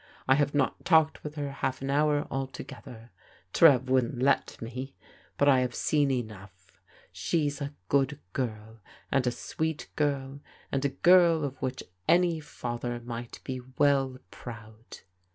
I have not talked with her half an hour all together — Trev wouldn't let me — ^but I have seen enough. She's a good girl, and a sweet girl, and a girl of which any father might be well proud.